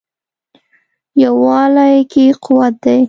یووالي کې قوت دی.